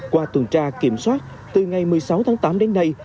qua tuần tra kiểm soát từ ngày một mươi sáu tháng tám đến nay